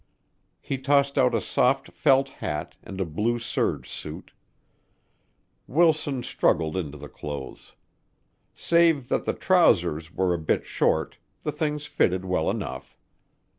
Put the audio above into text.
He tossed out a soft felt hat and blue serge suit. Wilson struggled into the clothes. Save that the trousers were a bit short, the things fitted well enough.